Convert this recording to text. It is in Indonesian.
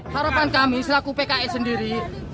harapan kami selaku pks sendiri